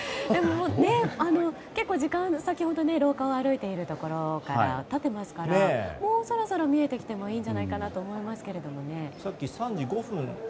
先ほど廊下を歩いているところから時間が経っていますからもうそろそろ見えてきてもいいんじゃないかなと思いますけれどもね。